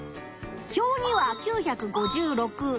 表には９５６。